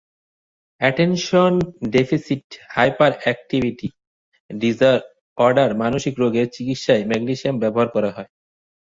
Attention deficit hyperactivity disorder মানসিক রোগের চিকিত্সায় ম্যাগনেশিয়াম ব্যবহার করা হয়।